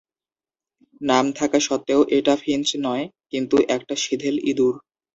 নাম থাকা সত্ত্বেও, এটা ফিঞ্চ নয় কিন্তু একটা সিধেল ইঁদুর।